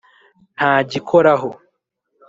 Ntagikoraho